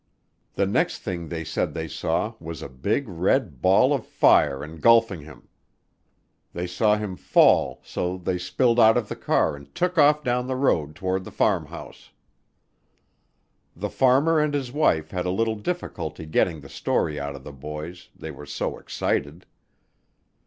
The next thing they said they saw was a big red ball of fire engulfing him. They saw him fall, so they spilled out of the car and took off down the road toward the farmhouse. The farmer and his wife had a little difficulty getting the story out of the boys, they were so excited.